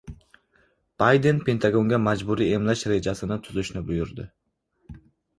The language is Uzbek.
Bayden Pentagonga majburiy emlash rejasini tuzishni buyurdi